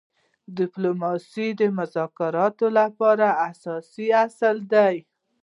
ډيپلوماسي د مذاکراتو لپاره اساسي اصل دی.